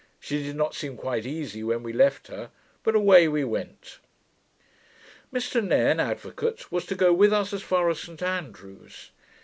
She did not seem quite easy when we left her: but away we went! Mr Nairne, advocate, was to go with us as far as St Andrews.